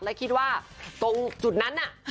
และคิดว่าตรงจุดนั้นน่ะ